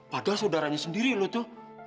padahal saudaranya sendiri loh itu